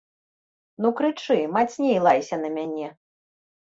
Ну крычы, мацней лайся на мяне.